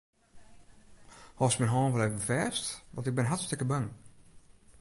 Hâldst myn hân wol even fêst, want ik bin hartstikke bang.